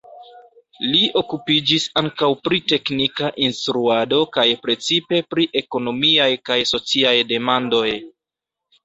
Li okupiĝis ankaŭ pri teknika instruado kaj precipe pri ekonomiaj kaj sociaj demandoj.